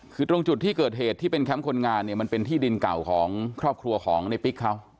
คือตรงจุดที่เกิดเหตุที่เป็นแคมป์คนงานเนี่ยมันเป็นที่ดินเก่าของครอบครัวของในปิ๊กเขา